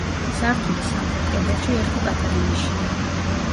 სართულის სამხრეთ კედელში ერთი პატარა ნიშია.